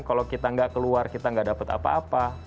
kalau kita nggak keluar kita nggak dapat apa apa